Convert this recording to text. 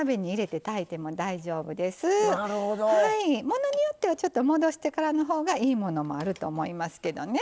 ものによってはちょっと戻してからのほうがいいものもあると思いますけどね。